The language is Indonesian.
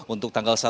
untuk tanggal satu